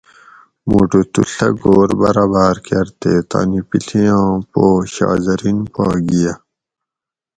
موٹو تُو ڷہ گھور برابر کۤر تے تانی پِڷیاں پو شاہ زرین پا گِھیہ